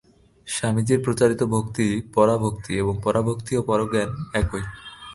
স্বামীজীর প্রচারিত ভক্তি পরাভক্তি, এবং পরাভক্তি ও পরজ্ঞান একই।